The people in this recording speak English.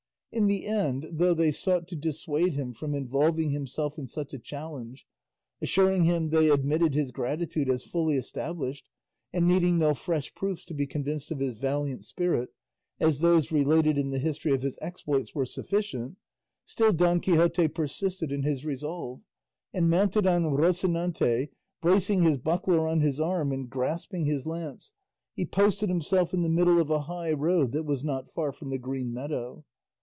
In the end, though they sought to dissuade him from involving himself in such a challenge, assuring him they admitted his gratitude as fully established, and needed no fresh proofs to be convinced of his valiant spirit, as those related in the history of his exploits were sufficient, still Don Quixote persisted in his resolve; and mounted on Rocinante, bracing his buckler on his arm and grasping his lance, he posted himself in the middle of a high road that was not far from the green meadow.